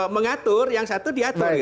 mengatur yang satu diatur